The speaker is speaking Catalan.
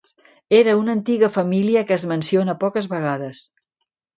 Era una antiga família que es menciona poques vegades.